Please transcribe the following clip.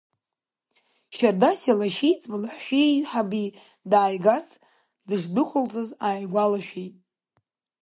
Шьардасиа лашьеиҵбы лаҳәшьеиҳабы дааигарц дышдәықәылҵаз ааигәалашәеит.